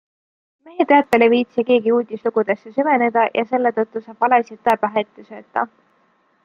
Mehe teatel ei viitsi keegi uudislugudesse süveneda ja selle tõttu saab valesid tõe pähe ette sööta.